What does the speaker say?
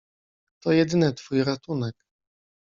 "To jedyny twój ratunek."